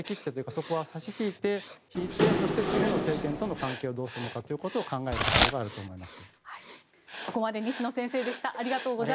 そこは差し引いてそして次の政権との関係をどうするのかということを考える必要があると思います。